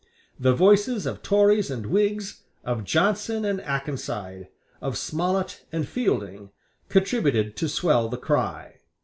The voices of Tories and Whigs, of Johnson and Akenside, of Smollett and Fielding, contributed to swell the cry.